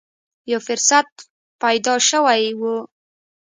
یو فرصت پیدا شوې و